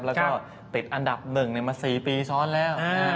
แล้วก็ติดอันดับ๑มา๔ปีซ้อนแล้ว